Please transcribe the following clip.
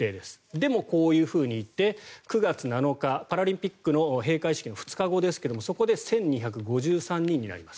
でも、こういうふうにいって９月７日パラリンピックの閉会式の２日後ですがそこで１２５３人になります。